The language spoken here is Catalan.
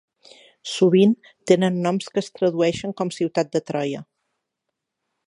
Sovint tenen noms que es tradueixen com "Ciutat de Troia".